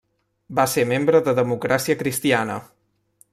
Va ser membre de Democràcia Cristiana.